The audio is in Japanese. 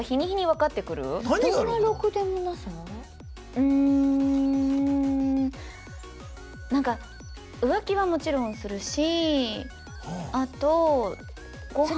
うんなんか浮気はもちろんするしあと御飯。